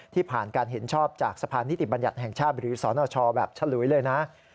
ผ่านการเห็นชอบจากสะพานนิติบัญญัติแห่งชาติหรือสนชแบบฉลุยเลยนะ